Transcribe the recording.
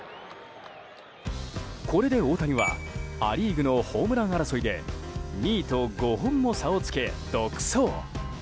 これで大谷はア・リーグのホームラン争いで２位と５本も差をつけ独走。